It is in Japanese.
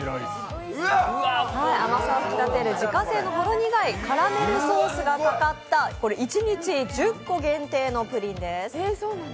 甘さを引き立てる自家製のほろ苦いカラメルソースがかかった一日１０個限定のプリンです。